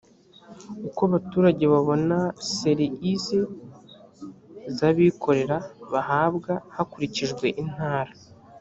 uko abaturage babona ser isi z abikorera bahabwa hakurikijwe intara